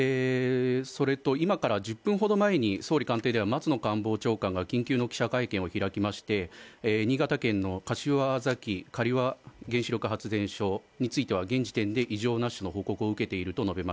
今から１０分ほど前に総理官邸では松野官房長官が緊急の記者会見を開きまして新潟県の柏崎柏崎刈羽原発では現時点で異常なしの報告を受けました。